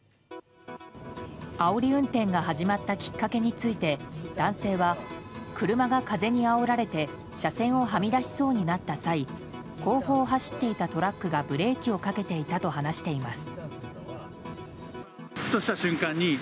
あおり運転が始まったきっかけについて、男性は車が風にあおられて車線をはみ出しそうになった際後方を走っていたトラックがブレーキをかけていたと話しています。